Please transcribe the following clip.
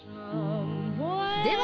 では